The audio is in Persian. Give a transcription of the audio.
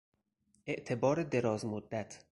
اعتبار دراز مدت